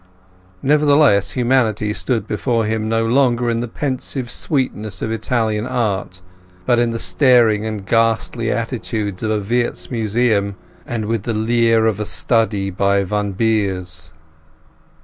Nevertheless humanity stood before him no longer in the pensive sweetness of Italian art, but in the staring and ghastly attitudes of a Wiertz Museum, and with the leer of a study by Van Beers.